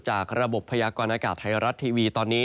จากระบบพยากรณากาศไทยรัฐทีวีตอนนี้